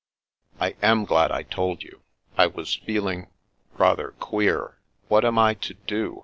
"I am glad I told you. I was feeling — ^rather queer. What am I to do?